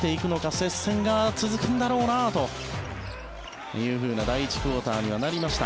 接戦が続くんだろうなという第１クオーターになりました。